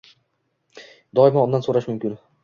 doimo undan so‘rash mumkin.